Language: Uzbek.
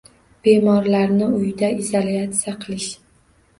Bemorlarni uyda izolyatsiya qilish